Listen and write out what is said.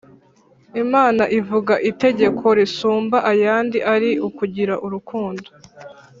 Imana ivuga itegeko risumba ayandi ari ukugira urukundo